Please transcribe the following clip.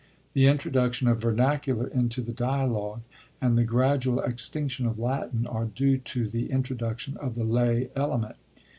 The introduction of vernacular into the dialog and the gradual extinction of Latin are due to the intro duction of the lav element.